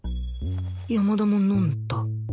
山田も飲んだ